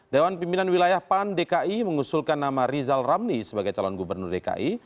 dewan pimpinan wilayah pan dki mengusulkan nama rizal ramli sebagai calon gubernur dki